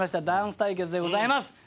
ダンス対決でございます。